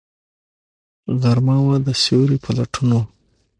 غرمه وه، د سیوری په لټون وم